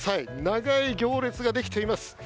長い行列ができています。